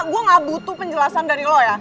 gue gak butuh penjelasan dari lo ya